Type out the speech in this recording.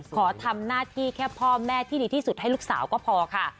ขอทำหน้าที่แค่พ่อแม่ที่ดีที่สุดให้ลูกสาวก็พอค่ะ